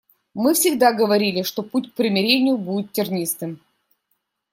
Мы всегда говорили, что путь к примирению будет тернистым.